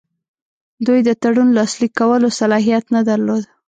دوی د تړون لاسلیک کولو صلاحیت نه درلود.